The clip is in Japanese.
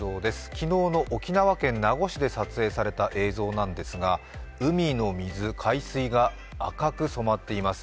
昨日の沖縄県名護市で撮影された映像なんですが海の水、海水が赤く染まっています